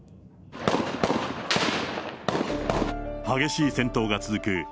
激しい戦闘が続く